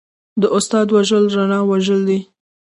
د استاد وژل رڼا وژل دي.